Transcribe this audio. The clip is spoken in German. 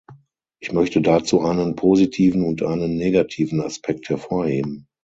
Ich möchte dazu einen positiven und einen negativen Aspekt hervorheben.